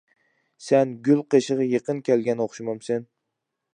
سەن گۈل قېشىغا يېقىن كەلگەن ئوخشىمامسەن!